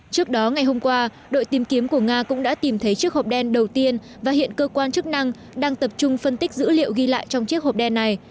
trước đó ngày hôm qua đội tìm kiếm của nga cũng đã tìm thấy chiếc hộp đen đầu tiên và hiện cơ quan chức năng đang tập trung phân tích dữ liệu ghi lại trong chiếc hộp đen này